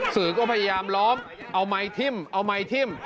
สื่อก็พยายามล้อมเอาไมค์ทิ่มเอาไมค์ทิ่ม